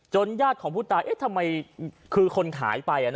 จนญาติของผู้ตายทำไมคือคนหายไป